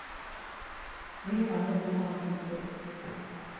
Rita no dey kontri sef.